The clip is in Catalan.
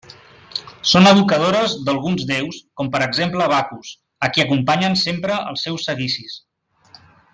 Són educadores d'alguns déus, com per exemple Bacus, a qui acompanyen sempre als seus seguicis.